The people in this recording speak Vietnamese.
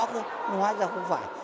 nhưng mà hóa ra không phải